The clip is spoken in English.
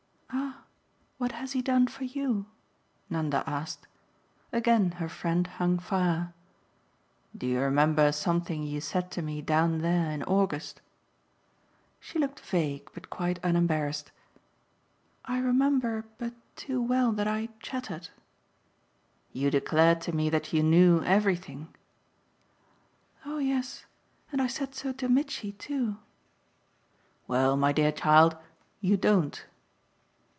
"Ah what has he done for you?" Nanda asked. Again her friend hung fire. "Do you remember something you said to me down there in August?" She looked vague but quite unembarrassed. "I remember but too well that I chattered." "You declared to me that you knew everything." "Oh yes and I said so to Mitchy too." "Well, my dear child, you don't."